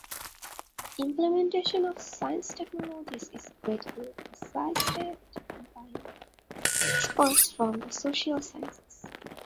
The implementation of these technologies is greatly assisted by experts from the social sciences.